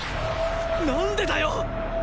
なんでだよ！